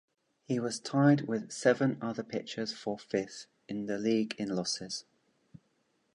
He was tied with seven other pitchers for fifth in the league in losses.